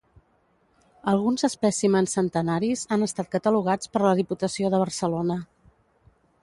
Alguns espècimens centenaris han estat catalogats per la Diputació de Barcelona.